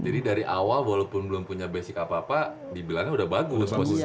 jadi dari awal walaupun belum punya basic apa apa dibilangnya udah bagus posisinya